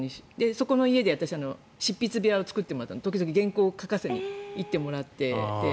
そこの家で執筆部屋を作って時々原稿を書かせにいかせてもらってて。